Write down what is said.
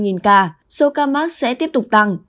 đã trên một trăm linh bốn ca số ca mắc sẽ tiếp tục tăng